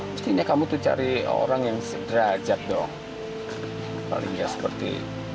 mestinya kamu tuh cari orang yang sederajat dong paling nggak seperti